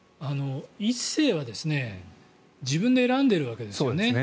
１世は自分で選んでいるわけですよね。